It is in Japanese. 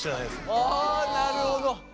あなるほど。